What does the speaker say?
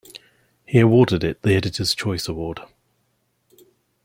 He awarded it the Editor's Choice award.